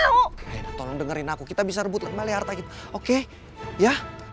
raina tolong dengerin aku kita bisa rebut kembali harta kita oke ya